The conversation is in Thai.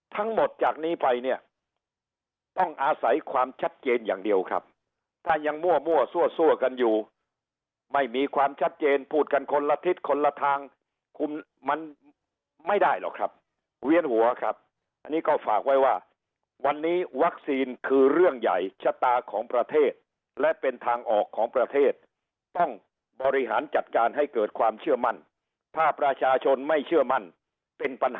ทั้งหมดจากนี้ไปเนี่ยต้องอาศัยความชัดเจนอย่างเดียวครับถ้ายังมั่วซั่วกันอยู่ไม่มีความชัดเจนพูดกันคนละทิศคนละทางคุมมันไม่ได้หรอกครับเวียนหัวครับอันนี้ก็ฝากไว้ว่าวันนี้วัคซีนคือเรื่องใหญ่ชะตาของประเทศและเป็นทางออกของประเทศต้องบริหารจัดการให้เกิดความเชื่อมั่นถ้าประชาชนไม่เชื่อมั่นเป็นปัญหา